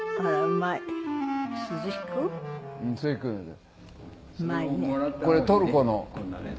うまいね。